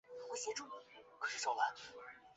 毕业于中国共产党四川省委第二党校哲学专业。